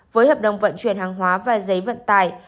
với hợp đồng vận chuyển hàng hóa và giấy vận tải